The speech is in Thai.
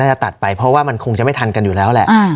จะตัดไปเพราะว่ามันคงจะไม่ทันกันอยู่แล้วแหละ